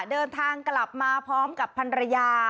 เดินทางกลับมาพร้อมกับพันรยา